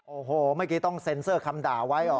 โอ้โหเมื่อกี้ต้องเซ็นเซอร์คำด่าไว้เหรอ